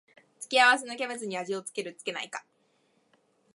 付け合わせのキャベツに味を付けるか付けないか